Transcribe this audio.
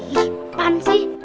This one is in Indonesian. ih pan sih